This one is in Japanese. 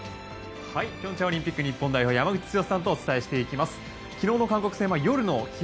平昌オリンピック日本代表山口さんとお伝えします。